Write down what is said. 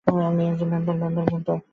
আমি একজন ভ্যাম্পায়ার।